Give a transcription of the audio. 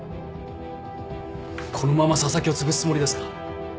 このまま紗崎をつぶすつもりですか？